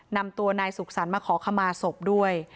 นำตัวนายสุขสรรค์มาขอขมาศพด้วย